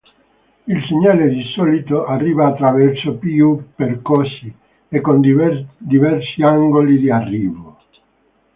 Il segnale di solito arriva attraverso più percorsi e con diversi angoli di arrivo.